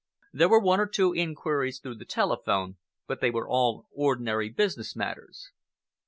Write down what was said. There were one or two inquiries through the telephone, but they were all ordinary business matters."